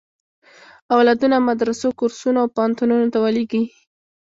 اولادونه مدرسو، کورسونو او پوهنتونونو ته ولېږي.